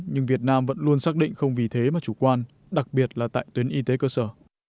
nhưng việt nam vẫn luôn xác định không vì thế mà chủ quan đặc biệt là tại tuyến y tế cơ sở